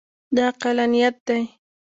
دا عقلانیت دی.